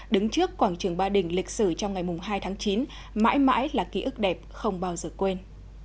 đứng trước quảng trường ba đình lịch sử trong ngày hai tháng chín mãi mãi là ký ức đẹp không bao giờ quên